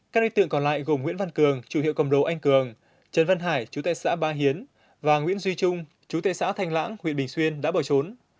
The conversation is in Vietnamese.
các đối tượng còn lại gồm nguyễn văn cường chủ hiệu cầm đồ anh cường trần văn hải chú tại xã ba hiến và nguyễn duy trung chú tệ xã thanh lãng huyện bình xuyên đã bỏ trốn